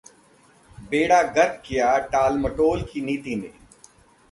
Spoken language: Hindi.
बेड़ा गर्क किया टालमटोल की नीति ने